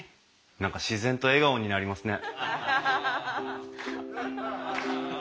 何か自然と笑顔になりますね。